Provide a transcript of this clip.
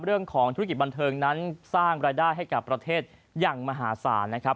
เรื่องของธุรกิจบันเทิงนั้นสร้างรายได้ให้กับประเทศอย่างมหาศาลนะครับ